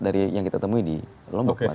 dari yang kita temui di lombok